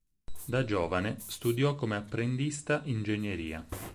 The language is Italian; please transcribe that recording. Da giovane studiò come apprendista ingegneria.